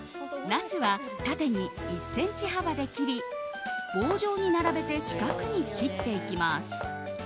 ナスは縦に１ｃｍ幅で切り棒状に並べて四角に切っていきます。